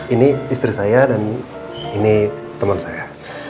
ini istri saya dan ini teman saya